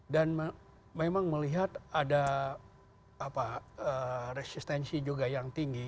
dan memang melihat ada resistensi juga yang tinggi